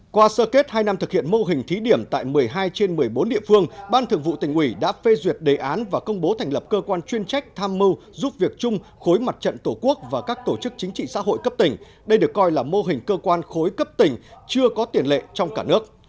qua sơ kết hai năm thực hiện mô hình thí điểm tại một mươi hai trên một mươi bốn địa phương ban thường vụ tỉnh ủy đã phê duyệt đề án và công bố thành lập cơ quan chuyên trách tham mưu giúp việc chung khối mặt trận tổ quốc và các tổ chức chính trị xã hội cấp tỉnh đây được coi là mô hình cơ quan khối cấp tỉnh chưa có tiền lệ trong cả nước